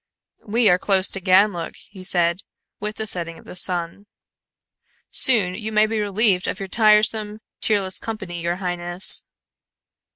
"We are close to Ganlook," he said, with the setting of the sun. "Soon you may be relieved of your tiresome, cheerless company, your highness."